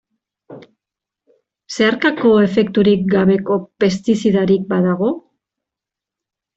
Zeharkako efekturik gabeko pestizidarik badago?